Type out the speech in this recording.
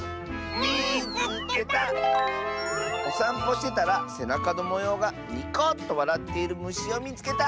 「おさんぽしてたらせなかのもようがニコッとわらっているむしをみつけた！」。